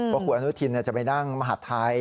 ว่าคุณอนุทินจะไปนั่งมหาดไทย